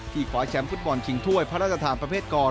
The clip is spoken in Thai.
คว้าแชมป์ฟุตบอลชิงถ้วยพระราชทานประเภทกร